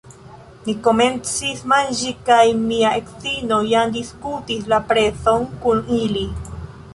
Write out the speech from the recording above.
Ni komencis manĝi kaj mia edzino jam diskutis la prezon kun ili